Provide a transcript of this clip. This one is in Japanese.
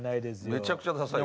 めちゃくちゃダサい。